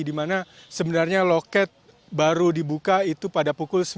di mana sebenarnya loket baru dibuka itu pada pukul sembilan